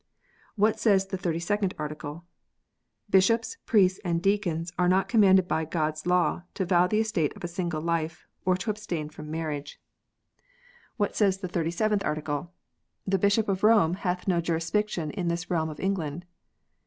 What says the Thirty second Article? "Bishops, priests, and^ deacons are not commanded by God s law to vow the estate of single life, or to abstain from marriage." 82 KNOTS UNTIED. What says the Thirty seventh Article] "The Bishop of Rome hath no jurisdiction in this realm of England."